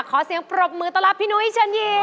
ขอเสียงปรบมือตลอดพี่นุ้ยเชิญยิน